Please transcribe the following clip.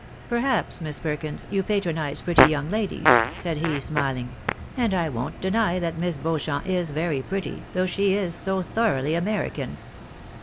" Perhaps, Miss Perkins, you patronise pretty young ladies," said he, smiling. " And I won't deny that Miss Beauchamp is very pretty, though she is so thoroughly American."